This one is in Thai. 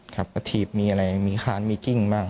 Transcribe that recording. กระถีบมีอะไรมีคานมีกิ้งบ้าง